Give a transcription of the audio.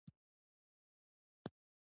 هغه څوک چې رښتیا وايي تل سرلوړی وي.